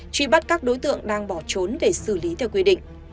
truy bắt các đối tượng đang bỏ trốn để xử lý theo quy định